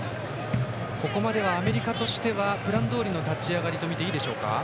ここまでは、アメリカとしてはプランどおりの立ち上がりとみていいでしょうか？